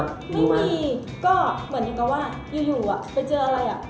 ไม่มีก็เหมือนกับว่าอยู่ไปเจออะไรอ่ะ